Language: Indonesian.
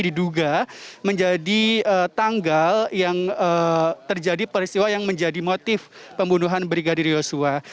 diduga menjadi tanggal yang terjadi peristiwa yang menjadi motif pembunuhan brigadir yosua